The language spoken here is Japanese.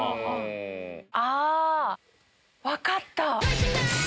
あ分かった！